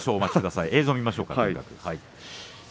映像を見ましょうか。